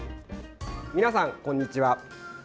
皆さん、こんにちは。